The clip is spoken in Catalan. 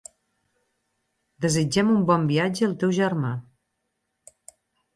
Desitgem un bon viatge al teu germà.